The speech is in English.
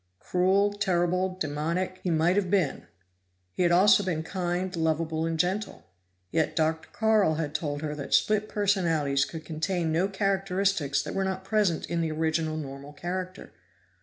Cruel, terrible, demoniac, he might have been; he had also been kind, lovable, and gentle. Yet Dr. Carl had told her that split personalities could contain no characteristics that were not present in the original, normal character.